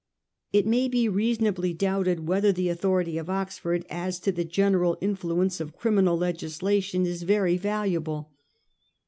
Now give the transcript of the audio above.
It may be reasonably doubted whether the authority of Oxford as to the general influence of criminal legislation is very valuable.